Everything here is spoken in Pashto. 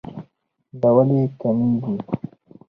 دا ولې کميږي